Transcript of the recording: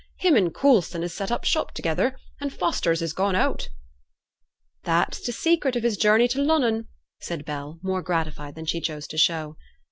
Him and Coulson has set up shop together, and Fosters is gone out!' 'That's t' secret of his journey t' Lunnon,' said Bell, more gratified than she chose to show.